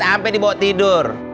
sampai dibawa tidur